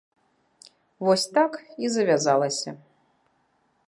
Вось так і завязалася.